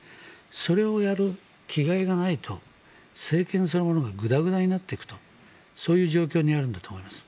それをやる気概がないと政権そのものがグダグダになっていくとそういう状況にあるんだと思います。